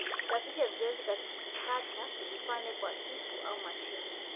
Safisha viazi kata vipande kwa kisu au mashine